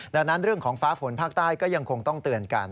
ดังนั้นเรื่องของฟ้าฝนภาคใต้ก็ยังคงต้องเตือนกัน